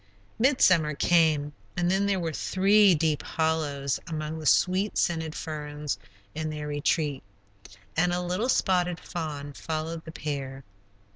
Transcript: Midsummer came, and then there were three deep hollows among the sweet scented ferns in their retreat, and a little spotted fawn followed the pair.